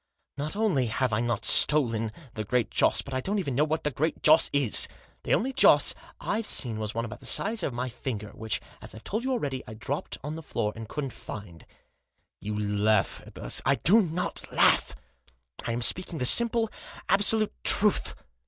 " Not only have I not stolen the Great Joss, but I don't even know what the Great Joss is. The only Joss I've seen was one about the size of my finger, which, as I've told you already, I dropped on the floor, and couldn't find." " You laugh at us." " I do not laugh. I am speaking the simple, absolute truth."